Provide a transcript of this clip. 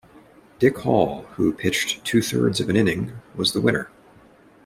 Dick Hall, who pitched two-thirds of an inning, was the winner.